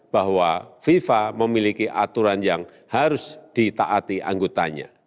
bahwa fifa memiliki aturan yang harus ditaati anggotanya